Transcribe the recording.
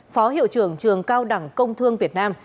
phó hiệu trưởng trường cao đẳng công thương việt nam